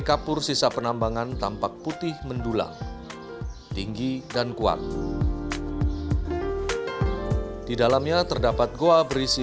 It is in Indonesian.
kapur sisa penambangan tampak putih mendulang tinggi dan kuat di dalamnya terdapat goa berisi